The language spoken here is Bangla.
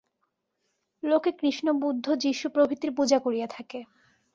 লোকে কৃষ্ণ বুদ্ধ যীশু প্রভৃতির পূজা করিয়া থাকে।